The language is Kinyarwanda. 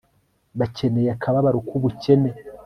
bakeneye akababaro k'ubukene